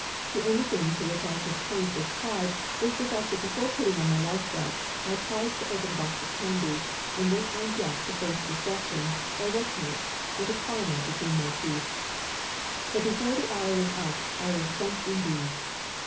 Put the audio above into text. The only thing to which I could point with pride was the fact that before putting on my lifebelt I paused to open a box of candy, and went on deck to face destruction, or what not, with a caramel between my teeth. But before the hour was up I was sunk indeed.